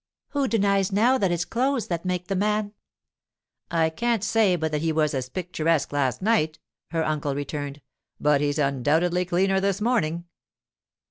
'Who denies now that it's clothes that make the man?' 'I can't say but that he was as picturesque last night,' her uncle returned; 'but he's undoubtedly cleaner this morning.